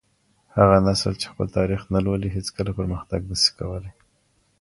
هغه نسل چي خپل تاريخ نه لولي هيڅکله پرمختګ نسي کولای.